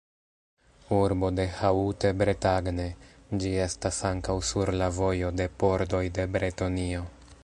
Urbo de Haute-Bretagne, ĝi estas ankaŭ sur la vojo de pordoj de Bretonio.